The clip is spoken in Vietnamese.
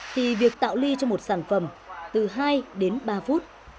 thì việc tạo ly cho một sản phẩm từ hai đến ba phút